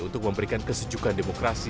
untuk memberikan kesejukan demokrasi